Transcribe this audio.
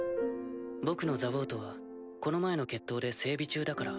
僕のザウォートはこの前の決闘で整備中だから。